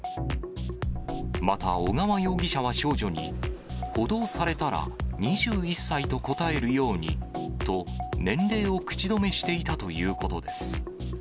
また小川容疑者は少女に、補導されたら２１歳と答えるようにと、年齢を口止めしていたということです。